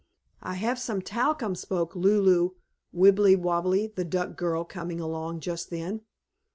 "I have some talcum," spoke Lulu Wibblewobble, the duck girl, coming along just then.